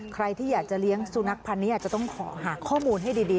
ใครที่อยากจะเลี้ยงสุนัขพันธ์นี้อาจจะต้องขอหาข้อมูลให้ดี